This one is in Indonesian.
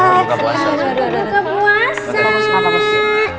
selamat berbuka puasa